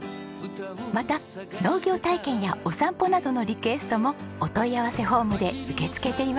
また農業体験やお散歩などのリクエストもお問い合わせフォームで受け付けていますよ。